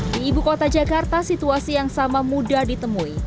di ibu kota jakarta situasi yang sama mudah ditemui